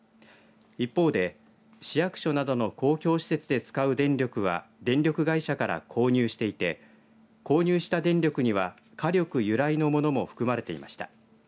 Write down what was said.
一方で、市役所などの公共施設で使う電力は電力会社から購入していて購入した電力には火力由来のものも含まれていました。